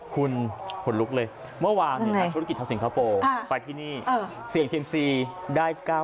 คุณขนลุกเลยเมื่อวานนักธุรกิจชาวสิงคโปร์ไปที่นี่เสี่ยงเซียมซีได้๙๐